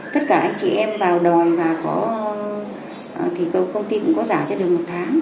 tất cả anh chị em vào đòi và có thì công ty cũng có giả cho được một tháng